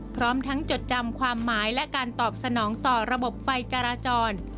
พร้อมทั้งจดจำความหมายและการตอบสนองต่อระบบไฟจราจร